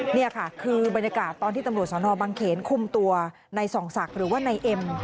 นี่ค่ะคือบรรยากาศตอนที่ตำรวจสนบังเขนคุมตัวในส่องศักดิ์หรือว่านายเอ็ม